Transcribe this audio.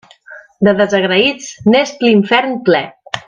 De desagraïts, n'és l'infern ple.